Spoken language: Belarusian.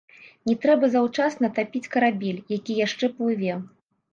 Не трэба заўчасна тапіць карабель, які яшчэ плыве.